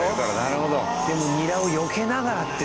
でもニラをよけながらって。